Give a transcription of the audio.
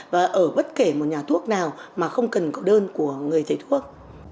và ở bất kể một nhà thuốc nào mà không cần có đơn của người thầy thuốc